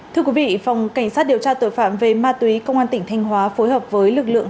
thưa quý vị phòng cảnh sát điều tra tội phạm về ma túy công an tỉnh thanh hóa phối hợp với lực lượng